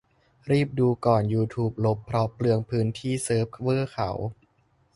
รีบดูก่อนยูทูบลบ เพราะเปลืองพื้นที่เซิร์ฟเวอร์เขา